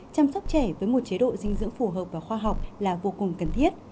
chăm sóc trẻ với một chế độ dinh dưỡng phù hợp và khoa học là vô cùng cần thiết